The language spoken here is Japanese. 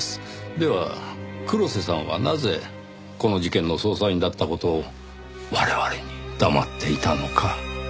では黒瀬さんはなぜこの事件の捜査員だった事を我々に黙っていたのか？